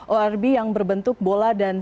orb yang berbentuk bola dan